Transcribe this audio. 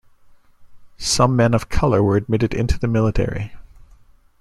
Some men of color were admitted into the military.